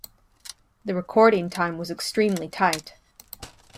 The recording time was extremely tight.